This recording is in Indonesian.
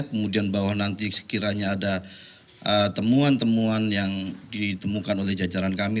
kemudian bahwa nanti sekiranya ada temuan temuan yang ditemukan oleh jajaran kami